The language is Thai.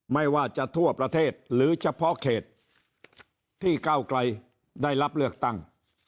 ไม่ว่าจะทั่วประเทศหรือเฉพาะเขตที่ก้าวไกลได้รับเลือกตั้ง